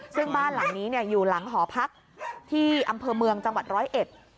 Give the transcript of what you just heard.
ซึ่งบ้านหลังนี้เนี่ยอยู่หลังหอพักที่อำเภอเมืองจังหวัดร้อยเอ็ด